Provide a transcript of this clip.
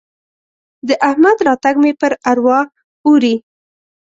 د احمد راتګ مې پر اروا اوري.